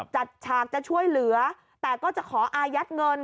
จัดฉากจะช่วยเหลือแต่ก็จะขออายัดเงิน